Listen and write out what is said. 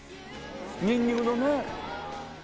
ニンニクとね。